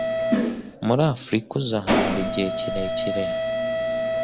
muri afrika uzahamara igihe kirekire